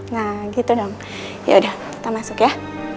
nah gitu dong yaudah kita masuk ya